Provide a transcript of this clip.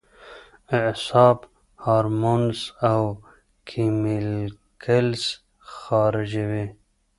اعصاب هارمونز او کېميکلز خارجوي